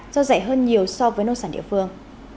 do rẻ hơn nhiều so với nông sản địa phương